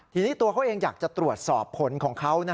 ทีนี้ตัวเขาเองอยากจะตรวจสอบผลของเขา